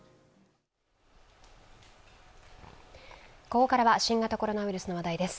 ここからは新型コロナウイルスの話題です。